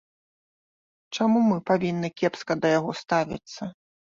Чаму мы павінны кепска да яго ставіцца?